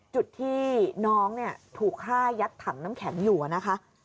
จุดที่น้องถูกฆ่ายัดถังน้ำแข็งอยู่นะคะ